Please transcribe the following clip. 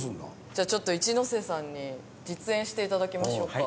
じゃあちょっと一ノさんに実演して頂きましょうか。